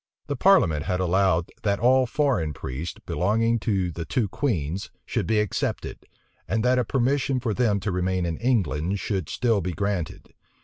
The parliament had allowed, that all foreign priests, belonging to the two queens, should be excepted, and that a permission for them to remain in England should still be granted.